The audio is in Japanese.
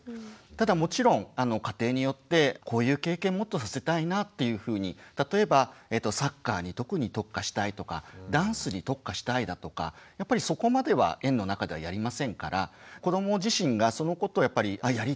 ただもちろん家庭によってこういう経験もっとさせたいなっていうふうに例えばサッカーに特に特化したいとかダンスに特化したいだとかやっぱりそこまでは園の中ではやりませんから子ども自身がそのことをやっぱりあやりたいあ